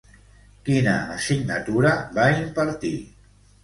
Quina assignatura va impartir?